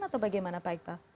atau bagaimana pak iqbal